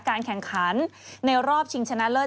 การแข่งขันในรอบชิงชนะเลิศ